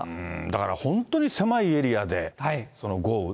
だから本当に狭いエリアで豪雨。